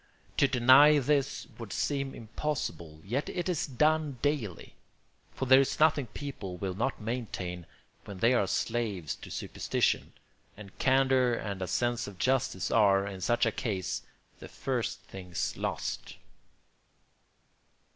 To deny this would seem impossible, yet it is done daily; for there is nothing people will not maintain when they are slaves to superstition; and candour and a sense of justice are, in such a case, the first things lost.